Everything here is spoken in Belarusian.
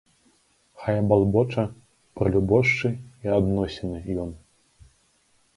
Хай балбоча пра любошчы і адносіны ён.